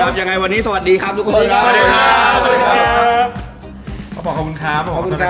ขอบคุณครับ